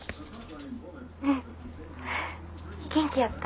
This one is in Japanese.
うん元気やった？